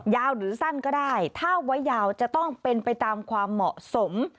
หรือสั้นก็ได้ถ้าไว้ยาวจะต้องเป็นไปตามความเหมาะสม